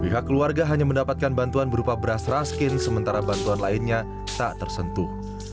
pihak keluarga hanya mendapatkan bantuan berupa beras raskin sementara bantuan lainnya tak tersentuh